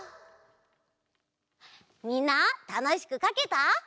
みんなたのしくかけた？